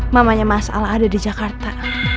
mamanya mas al ada di jakarta